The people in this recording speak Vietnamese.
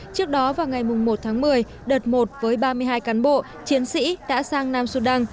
trước đó vào ngày một tháng một mươi đợt một với ba mươi hai cán bộ chiến sĩ đã sang nam sudan